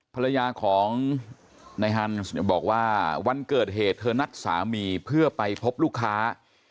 ภรรยาของนายฮันส์บอกว่าวันเกิดเหตุเธอนัดสามีเพื่อไปพบลูกค้า